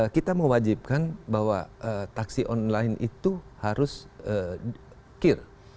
kita mewajibkan bahwa taksi online itu harus kir